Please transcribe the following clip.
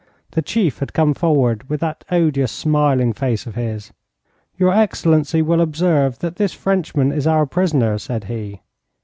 The chief had come forward with that odious smiling face of his. 'Your excellency will observe that this Frenchman is our prisoner,' said he.